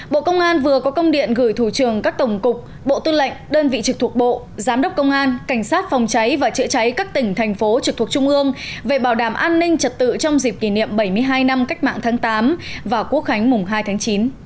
bộ công an vừa có công điện gửi thủ trường các tổng cục bộ tư lệnh đơn vị trực thuộc bộ giám đốc công an cảnh sát phòng cháy và chữa cháy các tỉnh thành phố trực thuộc trung ương về bảo đảm an ninh trật tự trong dịp kỷ niệm bảy mươi hai năm cách mạng tháng tám và quốc khánh mùng hai tháng chín